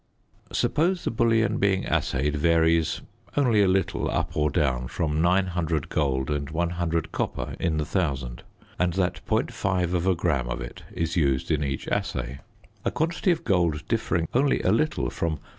Suppose the bullion being assayed varies only a little, up or down, from 900 gold and 100 copper in the thousand, and that .5 gram of it is used in each assay. A quantity of gold differing only a little from